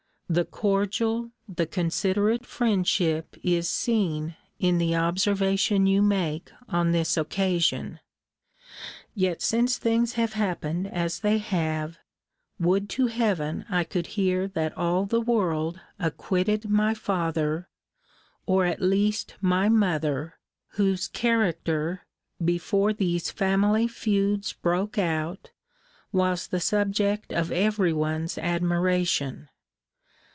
The cordial, the considerate friendship is seen in the observation you make on this occasion. Yet since things have happened as they have, would to Heaven I could hear that all the world acquitted my father, or, at least, my mother! whose character, before these family feuds broke out, was the subject of everyone's admiration.